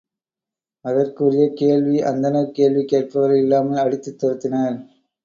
அதற்கு உரிய வேள்வி அந்தணர் கேள்வி கேட்பவர் இல்லாமல் அடித்துத் துரத்தினர்.